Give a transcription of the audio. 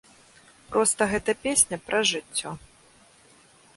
Проста гэта песня пра жыццё.